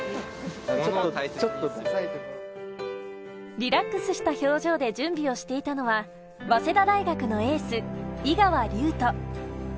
リラックスした表情で準備をしていたのは早稲田大学のエース・井川龍人。